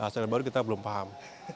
sel baru kita belum paham